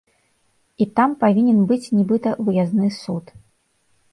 І там павінен быць, нібыта, выязны суд.